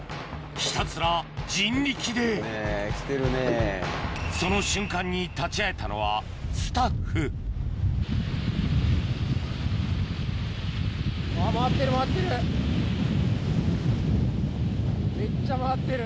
ひたすら人力でその瞬間に立ち会えたのはスタッフめっちゃ回ってる。